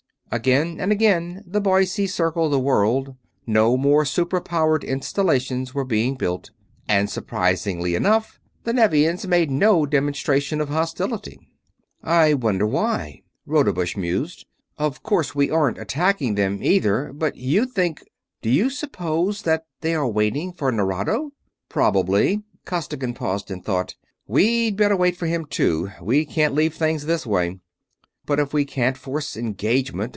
Again and again the Boise circled the world. No more super powered installations were being built. And, surprisingly enough, the Nevians made no demonstration of hostility. "I wonder why?" Rodebush mused. "Of course, we aren't attacking them, either, but you'd think ... do you suppose that they are waiting for Nerado?" "Probably." Costigan paused in thought. "We'd better wait for him, too. We can't leave things this way." "But if we can't force engagement